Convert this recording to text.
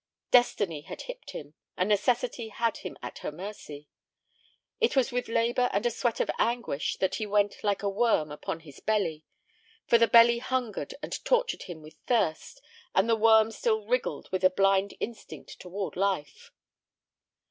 Destiny had hipped him, and Necessity had him at her mercy. It was with labor and a sweat of anguish that he went like a worm upon his belly, for the belly hungered and tortured him with thirst, and the worm still wriggled with a blind instinct toward life.